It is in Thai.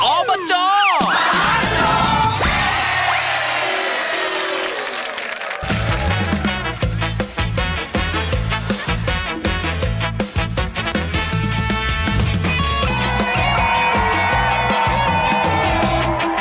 ออบจมหาสนุก